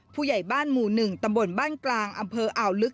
ผู้ใหญ่บ้านหมู่๑ตำบลบ้านกลางอำเภออ่าวลึก